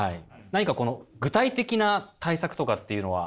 何かこの具体的な対策とかっていうのは？